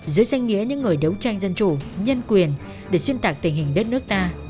dưới danh nghĩa những người đấu tranh dân chủ nhân quyền để xuyên tạc tình hình đất nước ta